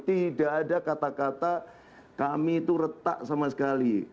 tidak ada kata kata kami itu retak sama sekali